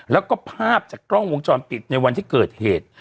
แล้วก็ภาพจากกล้องวงจรปิดในวันที่เกิดเหตุ